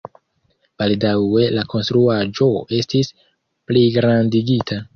Baldaŭe la konstruaĵo estis pligrandigita.